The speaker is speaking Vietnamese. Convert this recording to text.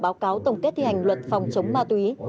báo cáo tổng kết thi hành luật phòng chống ma túy